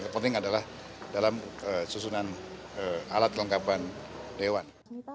yang penting adalah dalam susunan alat kelengkapan dewan